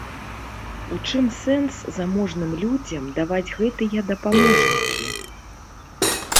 У чым сэнс заможным людзям даваць гэтыя дапаможнікі?